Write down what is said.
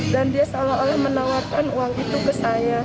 dan dia salah oleh menawarkan uang itu ke saya